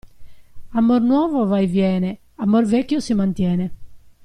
Amor nuovo va e viene, amor vecchio si mantiene.